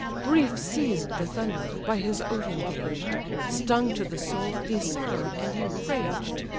Grief seized the Thunderer, by his oath engaged; Stung to the soul, he sorrow'd, and he raged.